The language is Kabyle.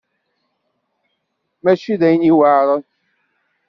Mačči d ayen yuɛren.